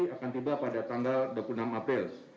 akan tiba pada tanggal dua puluh enam april